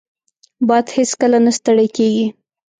باد هیڅکله نه ستړی کېږي